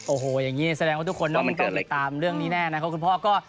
โอ้โหแบบนี้แสดงว่าทุกคนต้องติดตามเรื่องนี้แน่นะครับคุณพ่อ